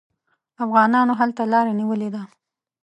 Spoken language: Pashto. افغانانو هلته لاره نیولې ده.